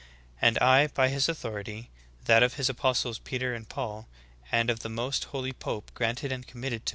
And I, by his authority, that of his Apostles Peter and Paul, and of the most holy pope granted and committed to m.